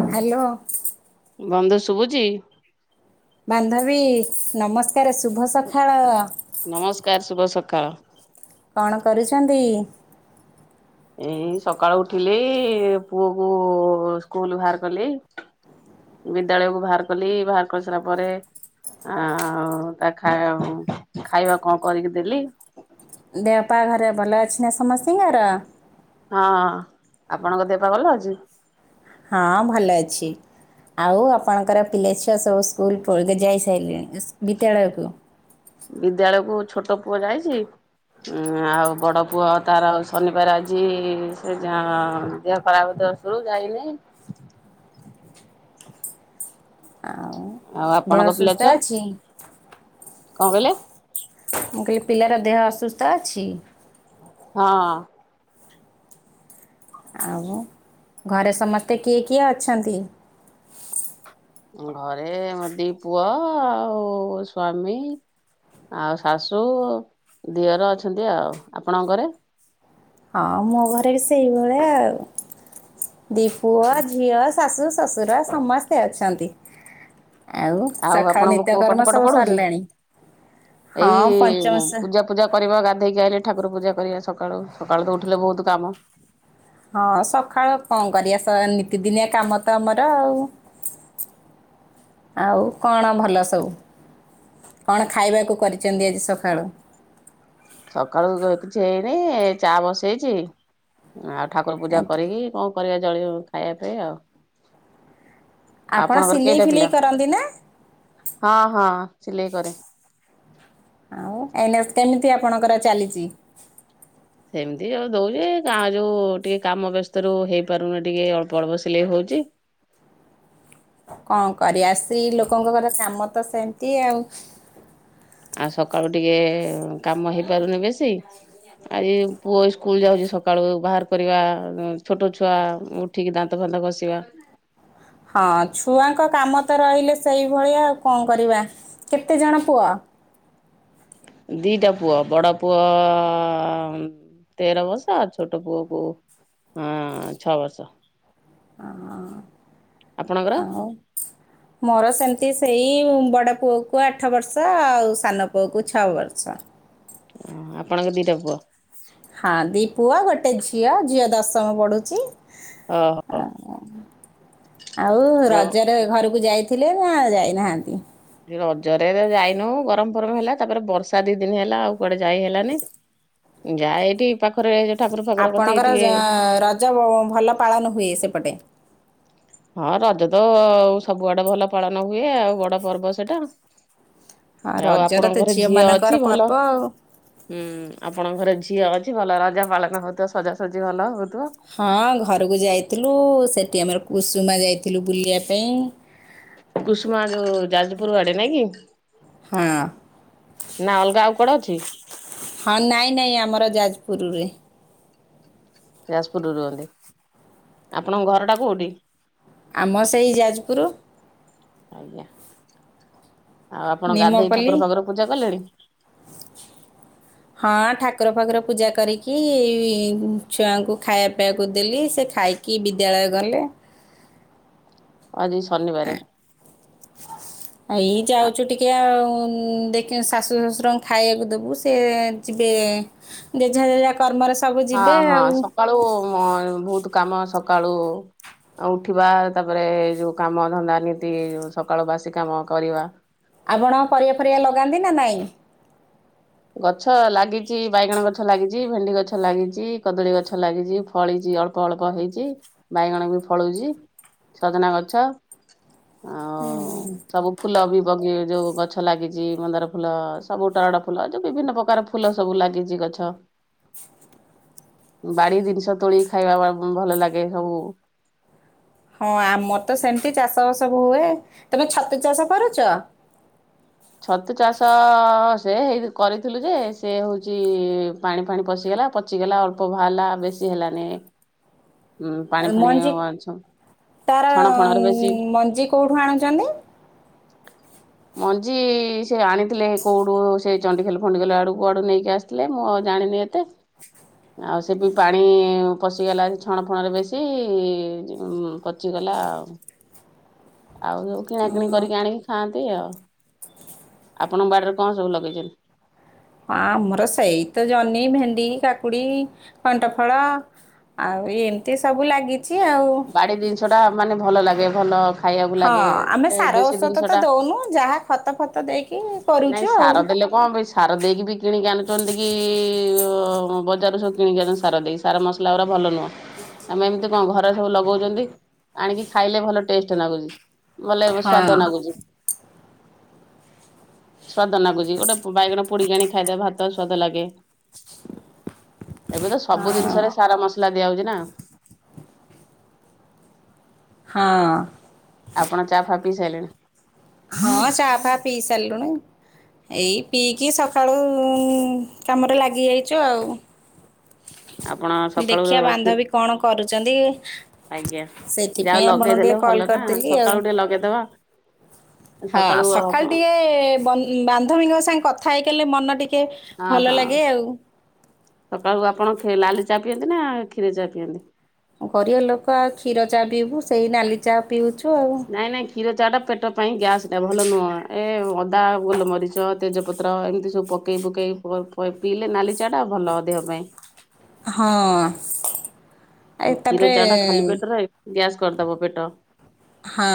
Hello. ବନ୍ଧୁ ଶୁଭୁଛି? ବାନ୍ଧବୀ ନମସ୍କାର ଶୁଭ ସକାଳ। ନମସ୍କାର ଶୁଭ ସକାଳ। କଣ କରୁଛନ୍ତି? ଏଇ ସକାଳୁ ଉଠିଲି ପୁଅ କୁ ସ୍କୁଲ ବାହାର କଲି। ବିଦ୍ୟାଳୟକୁୁ ବାହାର କଲି ବାହାର କରିସାରିଲା ପରେ ଆଉ ତା ଖା ଖାଇବା କଣ କରିକି ଦେଲି। ଦେହପାହା ଘରେ ଭଲ ଅଛି ନା ସମସ୍ତିଙ୍କର? ହଁ ଆପଣଙ୍କ ଦେହପାହା ଭଲ ଅଛି? ହଁ ଭଲ ଅଛି। ଆଉ ଆପଣଙ୍କର ପିଲା ଛୁଆ ସବୁ ସ୍କୁଲ ଫୁଲ କୁ ଯାଇସାରିଲେଣି ବିଦ୍ୟାଳୟକୁ। ବିଦ୍ୟାଳୟକୁ ଛୋଟ ପୁଅ ଯାଇଛି। ଆଉ ବଡ଼ ପୁଅ ତାର ଶନିବାର ଆଜି ସେ ଯା ଦେହ ଖରାପ ତ ରୁ ଯାଇନାଇଁ। ଆଉ ଆଉ ଆପଣଙ୍କ ପିଲା ଛୁଆ? କି କଣ କହିଲେ? ମୁଁ କହିଲି ପିଲାର ଦେହ ଅସୁସ୍ଥ ଅଛି? ହଁ। ଆଉ ଘରେ ସମସ୍ତେ କିଏ କିଏ ଅଛନ୍ତି? ଘରେ ମୋ ଦି ପୁଅ ଆଉ ସ୍ଵାମୀ। ଆଉ ଶାଶୁ ଦିଅର ଅଛନ୍ତି ଆଉ ଆପଣଙ୍କଘରେ? ହଁ ମୋ ଘରେ ବି ସେଇଭଳିଆ ଆଉ ଦି ପୁଅ ଝିଅ ଶାଶୁ ଶ୍ୱଶୁର ସମସ୍ତେ ଅଛନ୍ତି। ଆଉ ସଖଳ ଆପଣଙ୍କ ପୁଅ ପାଠ ନିତ୍ୟକର୍ମ ପାଠ ସବୁ ପଢୁଛି? ସାରିଲାଣି ଏଇ ହଁ ପଞ୍ଚମସ ପୂଜା ପୂଜା କରିବା ଗାଧେଇକି ଆଇଲେ ଠାର ପୂଜା କରିବା ସକାଳୁ ସକାଳୁ ତ ଉଠିଲେ ବହୁତ କାମ। ହଁ ସକାଳ କଣ କରିବା ନିତିଦିନିଆ କାମ ତ ଆମର ଆଉ। ଆଉ କଣ ଭଲ ସବୁ? କଣ ଖାଇବାକୁ କରିଛନ୍ତି ଆଜି ସକାଳୁ? ସକାଳୁ କିଛି ହେଇନି ଚା ବସେଇଛି ଆଉ ଠାକୁର ପୂଜା ଆଜ୍ଞା କରିକି କଣ କରିବା ଜଳ ଖାଇବା ପାଇଁ ଆଉ। ଆପଣ ଆପଣଙ୍କର ସିଲେଇ କେଇଟା ଫିଲେଇ ପିଲା କରନ୍ତି ନା ହଁ ହଁ ସିଲେଇ କରେ। ଆଉ ଏ କେମିତି ଆପଣଙ୍କର ଚାଲିଛି? ସେମିତି ଯେଉ ଦଉଛି ଗାଁ ଯେଉଁ ଟିକେ କାମ ବ୍ୟସ୍ତରୁ ହେଇପାରୁନି ଟିକେ ଅଳ୍ପ ଅଳ୍ପ ସିଲେଇ ହୋଉଛି। କଣ କରିବା ସ୍ତ୍ରୀ ଲୋକଙ୍କର କାମ ତ ସେମିତି ଆଉ। ଆଉ ସକାଳୁ ଟିକେ କାମ ହେଇପାରୁନି ବେଶୀ ଆଜି ପୁଅ ସ୍କୁଲ ଯାଉଛି ସକାଳୁ ବାହାର କରିବା ଛୋଟ ଛୁଆ ଉଠ୍ ଉଠିକି ଦାନ୍ତ ଫାନ୍ତ ଘସିବା। ହଁ ଛୁଆଙ୍କ କାମ ତ ରହିଲେ ସେଇଭଳିଆ ଆଉ କଣ କରିବା। କେତେଜଣ ପୁଅ? ଦିଟା ପୁଅ ବଡ଼ ପୁଅ ଆମ୍ ତେର ବର୍ଷ ଆଉ ଛୋଟ ପୁଅ କୁ ଆଁ ଛଅ ବର୍ଷ। ଆଁ ଆପଣଙ୍କର ଆଉ। ମୋର ସେମିତି ସେଇ ବଡ ପୁଅକୁ ଆଠ ବର୍ଷ ଆଉ ସାନ ପୁଅକୁ ଛଅ ବର୍ଷ। ଅ ଆପଣଙ୍କ ଦିଇଟା ପୁଅ। ହଁ ଦି ପୁଅ ଗୋଟେ ଝିଅ। ଝିଅ ଦଶମ ପଢୁଚି। ଓହୋ ଆଉ ଯାଉ ରଜରେ ଘରକୁ ଯାଇଥିଲେ ନା ଯାଇନାହାନ୍ତି? ରଜରେ ଏରା ଯାଇନୁ ଗରମ ଫରମ ହେଲା ତାପରେ ବର୍ଷା ଦି ଦିନ ହେଲା ଆଉ କୁଆଡେ ଯାଇ ହେଲାନି। ଯାଏ ଏଇଠି ପାଖରେ ଠାକୁର ଫାକୁର ଆପଣଙ୍କର କତିକି ଟିକେ। ରଜ ଜ ଭଲ ପାଳନ ହୁଏ ସେପଟେ। ହଁ ରଜ ତ ସବୁଆଡେ ଭଲ ପାଳନ ହୁଏ ଆଉ ବଡ ପର୍ବ ସେଟା। ହଁ ଆଉ ରଜର ତ ଆପଣଙ୍କ ଘରେ ଝିଅ ଝିଅମାନଙ୍କର ଅଛି ଭଲ ପର୍ବ ଆଉ ହୁଁ ଆପଣଙ୍କ ଘରେ ଝିଅ ଅଛି ଭଲ ରଜ ପାଳନ ହଉଥିବ ସଜାସଜି ଭଲ ହଉଥିବ। ହଁ ଘରକୁ ଯାଇଥିଲୁ ସେଠି ଆମର କୁସୁମା ଯାଇଥିଲୁ ବୁଲିବା ପାଇଁ। କୁସୁମା ଯୋଉ ଯାଜପୁର ଆଡେ ନାଇଁ କି? ହଁ। ନା ଅଲଗା ଆଉ କୁଆଡେ ଅଛି। ହଁ ନାଇଁ ନାଇଁ ଆମର ଯାଜପୁରୁରେ। ଯାଜପୁରରୁ ରୁହନ୍ତି ଆପଣଙ୍କ ଘରଟା କୋଉଠି। ଆମ ସେଇ ଯାଜପୁରୁ। ଆଜ୍ଞା। ଆଉ ଆପଣ ଗାଧେଇ ଠାକୁର ନିମପଲ୍ଲୀ ଫାକୁର ପୂଜା କଲେଣି? ହଁ ଠାକୁର ଫାକୁର ପୂଜା କରିକି ଛୁଆଙ୍କୁ ଖାଇବା ପିଇବାକୁ ଦେଲି ସେ ଖାଇ କି ବିଦ୍ୟାଳୟ ଗଲେ। ଅଜି ଶନିବାରେ। [inaudible] ଏଇ ଯାଉଚୁ ଟିକେ ଆଉ ଦେଖି ଶାଶୁ ଶ୍ୱଶୁରଙ୍କୁ ଖାଇଆକୁ ଦବୁ ସେ ଯିବେ। ଜେଝା ଜେଝା କର୍ମରେ ସବୁ ହଁ ଯିବେ ଆଉ। ସକାଳୁ ହଁ ବହୁତ କାମ ସକାଳୁ। ଆଉ ଉଠିବା ତାପରେ ଏ ଯୋଉ କାମ ଧନ୍ଦା ନୀତି ଯୋଉ ସକାଳ ବାସି କାମ କରିବା। ଆପଣ ପରିବା ଫରିବା ଲଗାନ୍ତି ନା ନାଇଁ। ଗଛ ଲାଗିଚି ବାଇଗଣ ଗଛ ଲାଗିଚି, ଭେଣ୍ଡି ଗଛ ଲାଗିଚି, କଦଳୀ ଗଛ ଲାଗିଚି। ଫଳିଚି ଅଳ୍ପ ଅଳ୍ପ ହେଇଚି ବାଇଗଣ ବି ଫଳୁଚି ସଜନା ଗଛ। ଆଉ ସବୁ ଫୁଲ ବି ବଗି ଯୋଉ ଗଛ ଲାଗିଛି ମନ୍ଦାର ଫୁଲ ସବୁ ଟରାଟ। ଫୁଲ ଯୋଉ ବିଭିନ୍ନ ପକାର ଫୁଲ ସବୁ ଲାଗିଚି ଗଛ। ବାଡି ଜିନିଷ ତୋଳି ଖାଇବା ବା ଭଲ ଲାଗେ ସବୁ। ହଁ ଆମର ତ ସେମିତି ଚାଷବାସ ହୁଏ। ତମେ ଛତୁ ଚାଷ କରୁଚ? ଛତୁ ଚାଷ ସେ ହେଇ କରିଥିଲୁ ଯେ ସେ ହଉଚି ପାଣି ଫାଣି ପଶିଗଲା ପଚିଗଲା ଅଳ୍ପ ବାହାରିଲା ବେଶୀ ହେଲାନି। ଉଁ ପାଣି ଫାଣି ମଞ୍ଜି ତାର ଛଣ ଫଣରେ ବେଶୀ ମଞ୍ଜି କୋଉଠୁ ଆଣୁଚନ୍ତି? ମଞ୍ଜି ସେ ଆଣିଥିଲେ କୋଉଠୁ ସେ ଚଣ୍ଡିଖୋଲ୍ ଫଣ୍ଡିଖୋଲ ଆଡ଼ୁ କୁୁଆଡ଼ୁ ନେଇକି ଆସିଥିଲେ ମୁଁ ଆଉ ଜାଣିନି ଏତେ। ଆଉ ସେ ବି ପାଣି ପଶିଗଲା ଛଣ ଫଣରେ ବେଶୀ ଯୋ ପଚିଗଲା ଆଉ। ଆଉ ସବୁ କିଣାକିଣି ହଁ କରିକି ଆଣିକି ଖାଆନ୍ତି ଆଉ। ଆପଣଙ୍କ ବାଡ଼ିରେ କଣ ସବୁ ଲଗେଇଚନ୍ତି? ହଁ ଆମର ସେଇ ତ ଜହ୍ନି, ଭେଣ୍ଡି, କାକୁଡି, କଣ୍ଟ ଫଳ ଆଉ ଏମତି ସବୁ ଲାଗି ଚି ଆଉ। ବାଡି ଜିନିଷ ଟା ମାନେ ଭଲ ଲାଗେ ଭଲ। ଖାଇବାକୁ ହଁ ଲାଗେ ଆମେ ସାର ଦେଶୀ ଔଷଧ ଜିନିଷ ତ ଟା ଦଉନୁ ଯାହା ଖତ ଫତ ଦେଇକି ନାଇଁ କରୁଛୁ ସାର ଆଉ। ଦେଲେ କଣ ପାଇଁ ସାର ଦେଇକି ବି କିଣିକି ଆଣୁଛନ୍ତି କି ଅ ବଜାରରୁ ସବୁ କିଣିକି ଆଣ ସାର ଦେଇକି। ସାର ମସଲା ଗୁଡ଼ା ଭଲ ନୁହଁ ଆମେ ଏମିତି କଣ ଘ ସବୁ ଲଗଉଛନ୍ତି ଆଣିକି ଖାଇଲେ ଭଲ ଟେଷ୍ଟ ନାଗୁଚି। ମଲେଇବ ସ୍ଵାଦ ହଁ ନାଗୁଚି। ସ୍ବାଦ ନାଗୁଚି ଗୋଟେ ବାଇଗଣ ପୋଡିକି ଆଣି ଖାଇଦେ ଭାତ ସ୍ୱାଦ ଲାଗେ। ଏବେ ତ ସବୁ ହଁ ଜିନିଷରେ ସାର ମସଲା ଦିଆ ହଉଚି ନା। ହଁ। ଆପଣ ଚା ଫା ପିଇ ସାଇଲେଣି? ହଁ ଚା ଫା ପିଇସାରିଲୁଣି। ଏଇ ପିଇକି ସକାଳୁ କାମରେ ଲାଗିଯାଇଛୁ ଆଉ। ଆପଣ ସକାଳୁ ଦେଖିବା ଉଠି ବାନ୍ଧବୀ କଣ କରୁଚନ୍ତି। ଆଜ୍ଞା। ଯାହା ସେଥିପାଇଁ ଆପଣଙ୍କୁ ଲଗେଇଦେଲେ ଟିକେ ଭଲ କଲ୍ ନା କରିଦେଲି ଆଉ। ସକାଳୁ ଟିକେ ଲଗେଇଦବା ହଁ ସଖାଳୁ ଟିକେ ବ ବାନ୍ଧବୀଙ୍କ ସାଙ୍ଗେ କଥା ହେଇକଲେ ମନ ଟିକେ ହଁ ଭଲ ହଁ। ଲାଗେ ଆଉ ସକାଳୁ ଆପଣ ଖେ ଲାଲି ଚାହା ପିଅନ୍ତି ନା କ୍ଷୀର ଚାହା ପିଅନ୍ତି? ଗରିବ ଲୋକ ଆଉ କ୍ଷୀର ଚା ପିଇବୁ ସେଇ ନାଲି ଚା ପିଉଚୁ ଆଉ। ନାଇଁ ନାଇଁ କ୍ଷୀର ଚାଆ ଟା ପେଟ ପାଇଁ ଗ୍ୟାସ୍ ଟା ଭଲ ନୁହଁ ଏ ଅଦା, ଗୋଲମରିଚ, ତେଜପତ୍ର ଏମିତି ସବୁ ପକେଇ ପୁକେଇ ପ ପ ପିଇଲେ ନାଲି ଚାଟା ଭଲ ଦେହ ପାଇଁ। ହଁ। ଏ କ୍ଷୀର ତାପରେ ଚାଆ ଟା ଖାଲି ପେଟରେ ଗ୍ୟାସ୍ କରିଦେବ ପେଟ। ହଁ।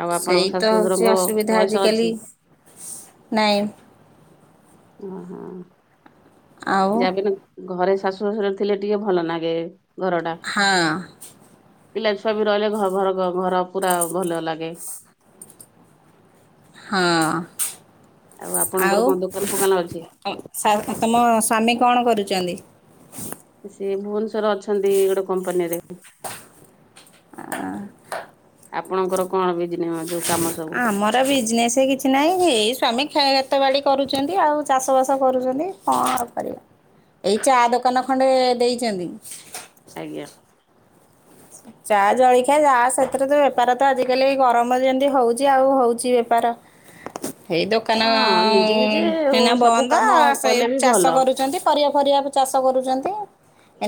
ଆଉ ଆପଣଙ୍କ ସେଇ ତ ଶାଶୁ ହୋଉଚି ଶଶୁରଙ୍କ ଅସୁବିଧା ବୟସ ଅଛି? ଆଜିକାଲି ନାଇଁ। ଓହୋ ଆଉ ଯାଆ ବି ହେଲେ ଘରେ ଶାଶୁ ଶଶୁର ଥିଲେ ଟିକେ ଭଲ ନାଗେ ଘର ଟା। ହାଁ। ପିଲାଛୁଆ ବି ରହିଲେ ଘ ଘର ଘର ପୁରା ଭଲ ଲାଗେ। ହଁ। ଆଉ ଆପଣଙ୍କର କଣ ଦୋକାନ ଫୋକାନ ଅଛି? ସା ତମ ସ୍ୱାମୀ କଣ କରୁଚନ୍ତି? ସେ ଭୁବନେଶ୍ଵର ଅଛନ୍ତି ଗୋଟେ କମ୍ପାନୀ ରେ। ଆ। ଆପଣଙ୍କର କଣ ବିଜନେ ଯଉ ଆମର ବିଜନେସ ହେଇ କିଛି କି ନାଇଁ ଏଇ ସ୍ଵାମୀ ଖିତେ ବାଡ଼ି କରୁଛନ୍ତି ଆଉ ଚାଷ ବାସ କରୁଛନ୍ତି କଣ କରିବା। ଏଇ ଚା ଦୋକାନ ଖଣ୍ଡେ ଦେଇଛନ୍ତି? ଆଜ୍ଞା। ଚା ଜଳଖିଆ ଯ ସେଥିରେ ତ ବେପାର ତ ଆଜିକାଲି ଗରମ ଯେମିତି ହୋଉଛି ଆଉ ହୋଉଛି ବେପାର। ଏଇ ହଁ ନିଜେ ନିଜେ ଦୋକାନନା ସବୁ ବନ୍ଦ କାମ ସେଇ କଲେ ବି ଭଲ ଚାଷ କରୁଛନ୍ତି। ଫରିବା ଫରିବା ଚାଷ କରୁଛନ୍ତି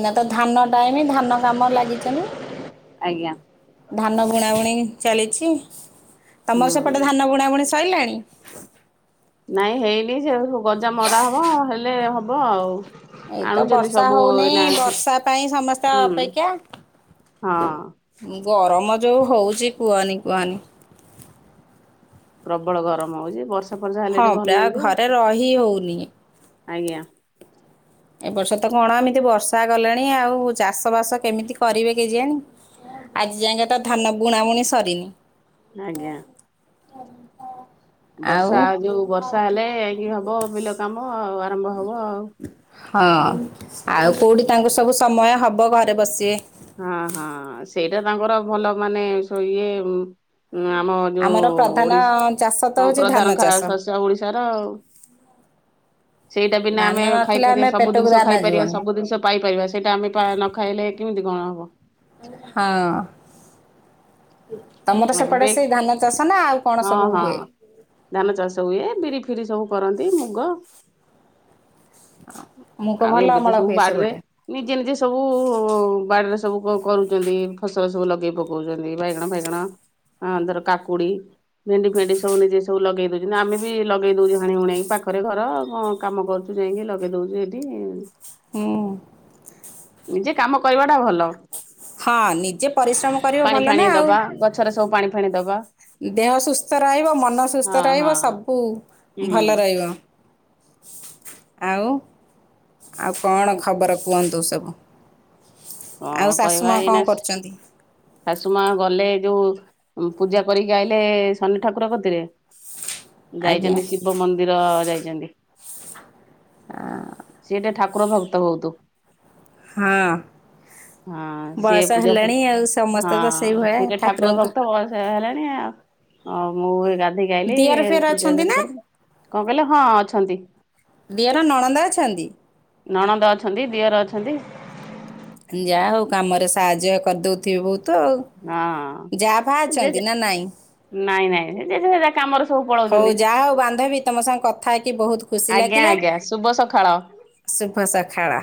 ଏନା ତ ଧାନ ଟାଇମ ଧାନ କାମ ଲାଗିଛନ୍ତି। ଆଜ୍ଞା। ଧାନ ବୁଣାବୁଣି ଚାଲିଛି, ତମର ସେପଟେ ହୁଁ ଧାନ ବୁଣାବୁଣି ସରିଲାଣି? ନାଇଁ ହେଇନି ସେ ଗଜା ମରା ହବ ହେଲେ ହବ ଆଉ। ଏଇତ ଆଣୁଛନ୍ତି ବର୍ଷା ସବୁ ହଉନି ଏଇନା ହୁଁ ବର୍ଷା ପାଇଁ ସମସ୍ତେ ହଁ। ଅପେକ୍ଷା। ଗରମ ଯୋଉ ହଉଛି କୁହନି କୁହନି। ପ୍ରବଳ ଗରମ ହଉଛି ବର୍ଷା ଫର୍ଷା ହଁ ହେଲେଠି ଭଲ ପରା ଲାଗିବ, ଘରେ ରହି ହଉନି ଆଜ୍ଞା। ଏବପର୍ଷ ତ କଣ ଏମିତି ବର୍ଷା ଗଲେଣି ଆଉ ଚାଷ ବାସ କେମିତି କରିବେ କେଯାଣି। ଆଜି ଯାଇକ ତ ଧାନ ବୁଣା ବୁଣି ସରିନି। ଆଜ୍ଞା। ଆଉ ବର୍ଷା ଯୋଉ ବର୍ଷା ହେଲେ ଏକି ହବ ବିଲ କାମ ଆଉ ଆରମ୍ଭ ହବ ଆଉ। ହଁ ଆଉ କେଉଁଠି ତାଙ୍କୁ ସବୁ ସମୟ ହେବ ଘରେ ବସିବେ। ହଁ ହଁ ସେଇଟା ତାଙ୍କର ଭଲ ମାନେ ଇଏ ଆମ ଯୋଉ ଆମର ପ୍ରଧାନ ଓଡିଶ ଚାଷ ତ ହଁ ହଉଛି ପ୍ରଧାନ ଧାନ ଖ ଚାଷ ଶସ୍ୟ ଓଡିଶାର ଆଉ। ସେଇଟା ବିନା ଧାନ ଆମେ ନଥିଲେ ଖାଇପାରିବା ଆମେ ସବୁ ପେଟକୁ ଜିନିଷ ଦାନା ଖାଇପାରିବା ଯିବନି ସବୁ ଜିନିଷ ପାଇପାରିବା ସେଇଟା ଆମେ ନ ଖାଇଲେ କେମିତି କଣ ହବ? ହଁ। ତମର ସେପଟେ ଏବେ ସେଇ ଧାନ ଚାଷ ନା ଆଉ କଣ ହଁ ସବୁ ହଁ ହୁଏ? ଧାନ ଚାଷ ହୁଏ ବିରି ଫିରି ସବୁ କରନ୍ତି ମୁଗ। ମୁଗ ଆଉ ଭଲ ଏବେ ତ ଅମଳ ସବୁ ହୁଏ ବା ନିଜେ ସେପଟେ। ନିଜେ ସବୁ ବାଡ଼ିରେ ସବୁ କରୁଛନ୍ତି ଫସଲ ସବୁ ଲଗେଇ ପକଉଛନ୍ତି ବାଇଗଣ ଫାଇଗଣ। ଆ ଦର କାକୁଡ଼ି। ଭେଣ୍ଡି ଫେଣ୍ଡି ସବୁ ନିଜେ ସବୁ ଲଗେଇ ଦଉଛନ୍ତି ଆମେ ବି ଲଗେଇ ଦଉଚେ ହାଣି ହୁଣେଇକ ପାଖରେ ଘର। କାମ କରୁଛୁ ଯାଇକି ଲଗେଇ ଦଉଛୁ ସେଠି। ହୁଁ। ନିଜେ କାମ କରିବାଟା ଭଲ। ହଁ ନିଜେ ପରିଶ୍ରମ କରିବ ପାଣି ଭଲ ଫାଣି ନା ଆଉ। ଦବା ଗଛରେ ସବୁ ପାଣି ଫାଣି ଦବା। ଦେହ ସୁସ୍ଥ ରହିବ ମନ ହଁ ସୁସ୍ଥ ହଁ ରହିବ ସବୁ ହୁଁ ଭଲ ରହି [unintelligible] ଆଉ ଆଉ କଣ ଖବର କୁହନ୍ତୁ ସବୁ? ଆଉ କଣ ଶାଶୁ କହିବା ମା ଏଇନା କଣ କରୁଛନ୍ତି? ଶାଶୁ ମା ଗଲେ ଯୋଉ ପୂଜା କରିକି ଆାଇଲେ ଶନି ଠାକୁର କଥିରେ। ଆଜ୍ଞା। ଯାଇଛନ୍ତି ଶିବ ମନ୍ଦିର ଯାଇଛନ୍ତି। ସେଏ ଟିକେ ଠାକୁର ଭକ୍ତ ବୋହୁତ। ହଁ ହଁ ସେ ବୟସ ପୂଜା ହେଲାଣି ଆଉ ସମସ୍ତେ ହଁ ତ ସେଇଭଳିଆ ସେଇଟ ଠାକୁର ଠାକୁରଙ୍କ ଭକ୍ତ ବୟସ ହେଲାଣି ଆ [unintelligible] ଧେଇକି ଆଇଲି ଦିଅର ଫିଅର ପୂଜା ଅଛନ୍ତି ପୁଜି ନା କରିଲି କଣ କହିଲ ହଁ ଅଛନ୍ତି। ଦିଅର ନଣନ୍ଦ ଅଛନ୍ତି। ନଣନ୍ଦ ଅଛନ୍ତି ଦିଅର ଅଛନ୍ତି। ଯାହା ହଉ କାମରେ ସାହାଯ୍ୟ କରିଦଉଥିବେ ବହୁତ। ତ ଆଉ ହଁ ଯାଆ ଫାଆ ଯେ ଅଛନ୍ତି ଯେ ନା ନାଇଁ? ନାଇଁ ନାଇଁ ଯେ ଯାହା କାମରେ ସବୁ ହଉ ପଳଉଛନ୍ତି ଯାହା ହଉ ବାନ୍ଧବୀ ତମ ସାଙ୍ଗେ କଥା ହେଇକି ବହୁତ ଖୁସି ଆଜ୍ଞା ଲାଗିଲା ଆଜ୍ଞା ଶୁଭ ସକାଳ। ଶୁଭ ସଖାଳ।